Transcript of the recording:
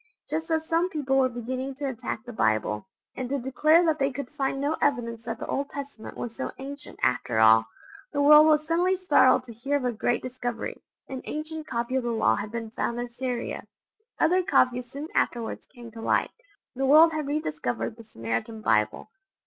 just as some people were beginning to attack the Bible, and to declare that they could find no evidence that the Old Testament was so ancient after all, the world was suddenly startled to hear of a great discovery an ancient copy of the Law had been found in Syria. Other copies soon afterwards came to light: the world had rediscovered the Samaritan Bible!